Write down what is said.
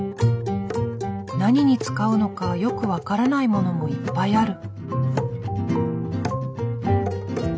何に使うのかよく分からないものもいっぱいある。